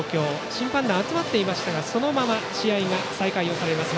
審判団が集まっていましたがそのまま試合が再開されます。